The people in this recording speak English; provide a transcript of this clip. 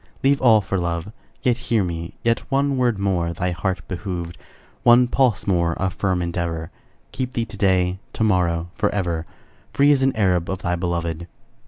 Leave all for love; Yet, hear me, yet, One word more thy heart behoved, One pulse more of firm endeavor, Keep thee to day, To morrow, forever, Free as an Arab Of thy beloved.